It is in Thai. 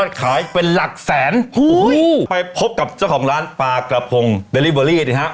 ขายเป็นหลักแสนโอ้โหไปพบกับเจ้าของร้านปลากระพงเดลิเวอรี่ดิฮะ